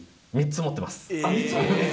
３つ持ってます。